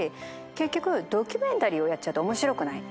結局ドキュメンタリーをやっちゃうと面白くない。